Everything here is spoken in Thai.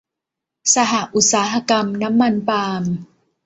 สหอุตสาหกรรมน้ำมันปาล์ม